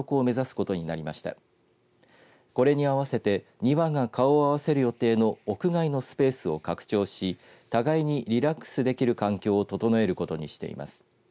これに合わせて２羽が顔を合わせる予定の屋外のスペースを拡張し互いにリラックスできる環境を整えることにしています。